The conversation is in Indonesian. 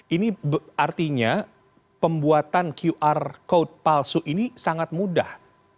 ini artinya pembuatan qr code palsu ini sangat mudah